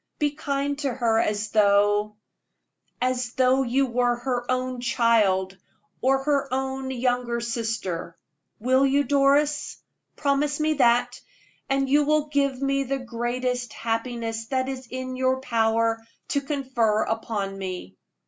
Be kind to her as though as though you were her own child, or her own younger sister. Will you, Doris? Promise me that, and you will give me the greatest happiness that it is in your power to confer upon me."